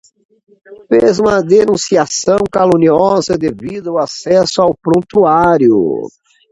Fez uma denunciação caluniosa devido ao acesso ao prontuário